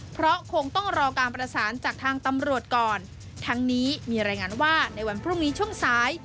เพราะคงต้องรอการประสานจากทางตำรวจก่อนทั้งนี้มีรายงานว่าในวันพรุ่งนี้ช่วงสาย